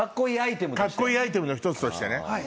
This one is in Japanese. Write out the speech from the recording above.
カッコイイアイテムの一つとしてね。